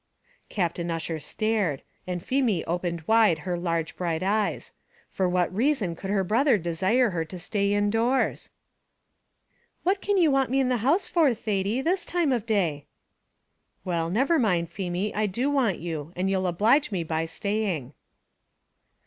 Captain Ussher stared, and Feemy opened wide her large bright eyes; for what reason could her brother desire her to stay in doors? "What can you want me in the house for, Thady, this time of day?" "Well never mind, Feemy; I do want you, and you'll oblige me by staying."